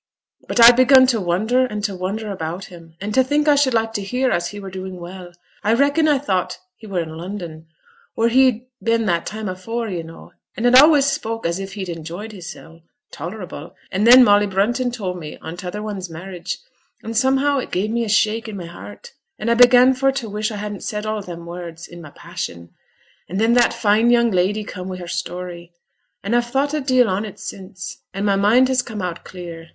But I'd begun to wonder and to wonder about him, and to think I should like to hear as he were doing well. I reckon I thought he were i' London, wheere he'd been that time afore, yo' know, and had allays spoke as if he'd enjoyed hissel' tolerable; and then Molly Brunton told me on t' other one's marriage; and, somehow, it gave me a shake in my heart, and I began for to wish I hadn't said all them words i' my passion; and then that fine young lady come wi' her story and I've thought a deal on it since, and my mind has come out clear.